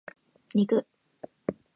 肉